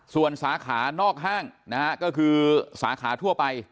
ส่วนสาขานอกห้างนะฮะก็คือสาขาทั่วไป